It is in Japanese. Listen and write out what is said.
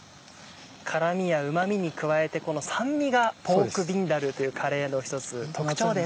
辛みやうま味に加えてこの酸味がポークビンダルというカレーの一つ特徴です。